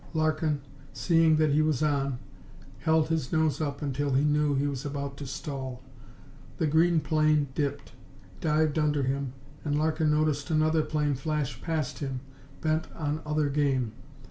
Larkin, seeing that he was on, held his nose up until he knew he was about to stall. The green plane dipped, dived under him, and Larkin noticed another plane flash past him, bent on other game.